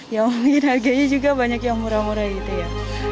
ya mungkin harganya juga banyak yang murah murah gitu ya